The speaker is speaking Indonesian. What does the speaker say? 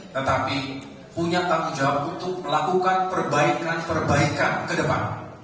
tetapi punya tanggung jawab untuk melakukan perbaikan perbaikan ke depan